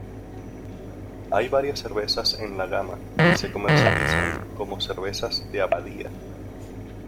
Hay varias cervezas en la gama, y se comercializan como cervezas de abadía.